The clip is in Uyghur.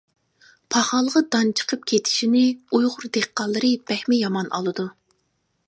پاخالغا دان چىقىپ كېتىشنى ئۇيغۇر دېھقانلىرى بەكمۇ يامان ئالىدۇ.